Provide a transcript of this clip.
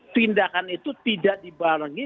tindakan itu tidak dibalangi